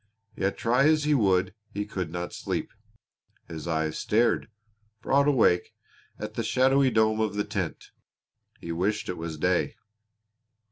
Yet try as he would he could not sleep. His eyes stared, broad awake, at the shadowy dome of the tent. He wished it was day.